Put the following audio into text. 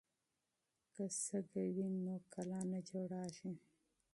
که شګه وي نو کلا نه جوړیږي.